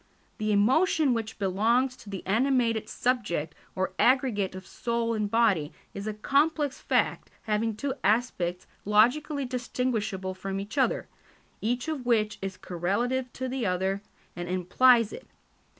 The emotion which belongs to the animated subject or aggregate of soul and body is a complex fact having two aspects logically distinguishable from each other, each of which is correlative to the other and implies it.